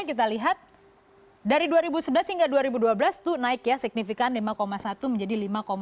kita lihat dari dua ribu sebelas hingga dua ribu dua belas itu naik ya signifikan lima satu menjadi lima empat